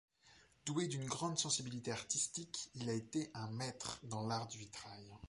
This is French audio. Doué d'une grande sensibilité artistique, il a été un maître dans l'art du vitrail.